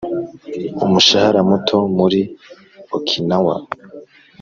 umushahara muto muri okinawa.